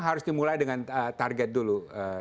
harus dimulai dengan target dulu